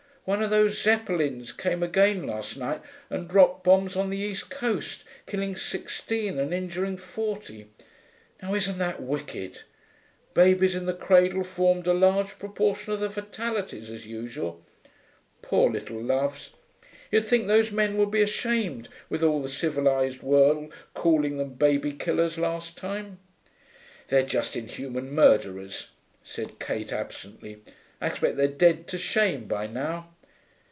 One of those Zeppelins came again last night and dropped bombs on the East Coast, killing sixteen and injuring forty. Now, isn't that wicked! Babies in the cradle formed a large proportion of the fatalities, as usual. Poor little loves. You'd think those men would be ashamed, with all the civilised world calling them baby killers last time.' 'They're just inhuman murderers,' said Kate absently. 'I expect they're dead to shame by now....